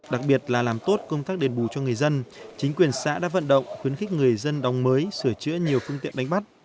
đặc biệt là làm tốt công tác đền bù cho người dân chính quyền xã đã vận động khuyến khích người dân đóng mới sửa chữa nhiều phương tiện đánh bắt